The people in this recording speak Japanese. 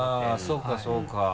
そうかそうか。